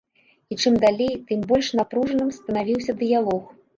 І чым далей, тым больш напружаным станавіўся дыялог.